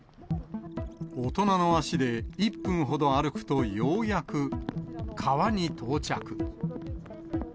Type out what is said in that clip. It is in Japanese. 大人の足で１分ほど歩くとようやく川に到着。